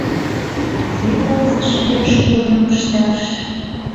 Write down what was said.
— Кузе Тылзыш вияш корным ышташ...